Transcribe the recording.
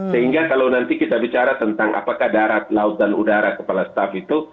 sehingga kalau nanti kita bicara tentang apakah darat laut dan udara kepala staff itu